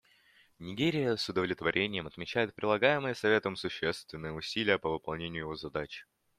Нигерия с удовлетворением отмечает прилагаемые Советом существенные усилия по выполнению его задач.